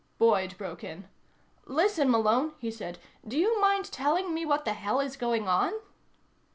Boyd broke in. "Listen, Malone," he said. "Do you mind telling me what the hell is going on?"